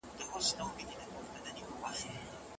د کورنۍ ټولنپوهنه د کورني ژوند په اړه ده.